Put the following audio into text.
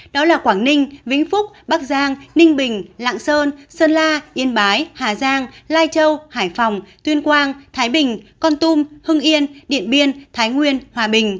đó là quảng ninh vĩnh phúc bắc giang ninh bình lạng sơn sơn la yên bái hà giang lai châu hải phòng tuyên quang thái bình con tum hưng yên điện biên thái nguyên hòa bình